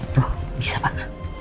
tuh bisa pak